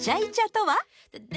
とは？